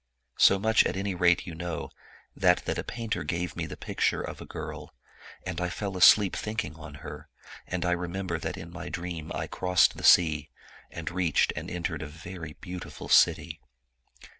So much at any rate you know, that that painter gave me the picture of a girl. And I fell asleep thinking on her, and I remember that in my dream I crossed the sea, and reached and entered a very beautiful city.